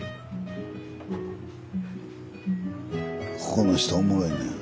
ここの人おもろいねん。